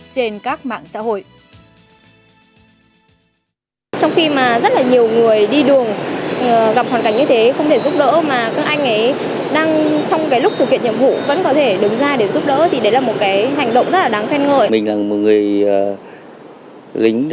trên các mạng xã hội